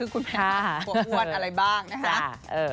คุณแม่ขันหัวอ้วนอะไรบ้างนะคะ